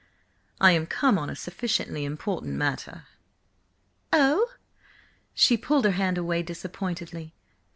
"I am come on a sufficiently important matter." "Oh!" She pulled her hand away disappointedly.